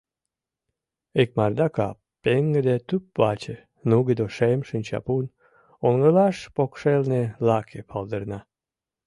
Икмарда кап, пеҥгыде туп-ваче, нугыдо шем шинчапун, оҥылаш покшелне лаке палдырна.